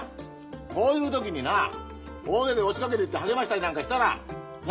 こういう時にな大勢で押しかけていって励ましたりなんかしたらな！